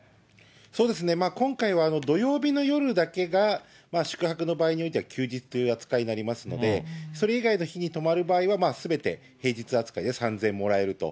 そうですね、今回は土曜日の夜だけが宿泊の場合においては休日という扱いになりますので、それ以外の日に泊まる場合には、すべて平日扱いで、３０００円もらえると。